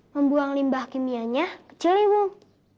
membuang limbah kimianya ke ciliwung